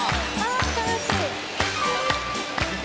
あっ悲しい。